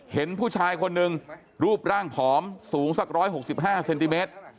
เห็นผู้ชายคนหนึ่งรูปร่างผอมสูงสัก๑๖๕เซนติเมตร